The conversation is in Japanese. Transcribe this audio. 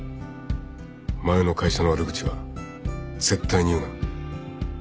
前の会社の悪口は絶対に言うな。